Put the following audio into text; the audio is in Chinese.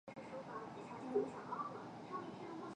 纹绡蝶属是蛱蝶科斑蝶亚科绡蝶族中的一个属。